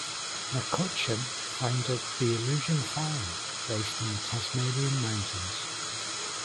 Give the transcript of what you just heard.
McCutcheon founded the Illusion Farm, based in the Tasmania mountains.